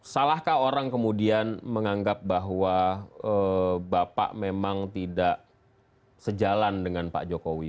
salahkah orang kemudian menganggap bahwa bapak memang tidak sejalan dengan pak jokowi